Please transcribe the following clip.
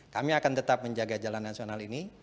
kami akan tetap menjaga jalan nasional ini